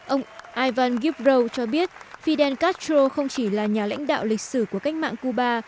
ông ivan gibrow cho biết fidel castro không chỉ là nhà lãnh đạo lịch sử của cách mạng cuba